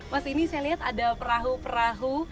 mas ini saya lihat ada perahu perahu